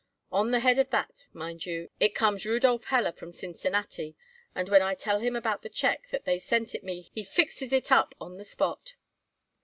On the head of that, mind you, in comes Rudolph Heller from Cincinnati, and when I tell him about the check what they sent it me he fixes it up on the spot."